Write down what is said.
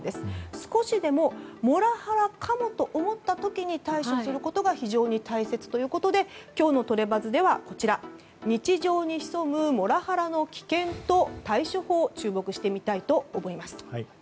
少しでもモラハラかもと思った時に対処することが非常に大切ということで今日のトレバズでは日常に潜むモラハラの危険と対処法に注目してみたいと思います。